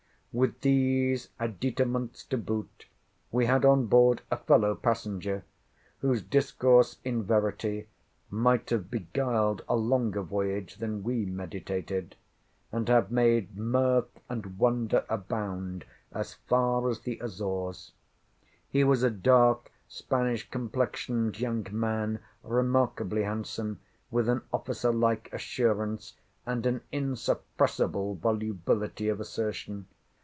With these additaments to boot, we had on board a fellow passenger, whose discourse in verity might have beguiled a longer voyage than we meditated, and have made mirth and wonder abound as far as the Azores. He was a dark, Spanish complexioned young man, remarkably handsome, with an officer like assurance, and an insuppressible volubility of assertion.